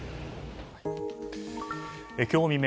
今日未明